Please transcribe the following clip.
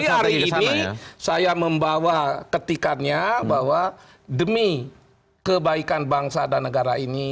hari ini saya membawa ketikannya bahwa demi kebaikan bangsa dan negara ini